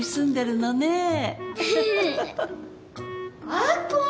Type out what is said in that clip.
・亜子！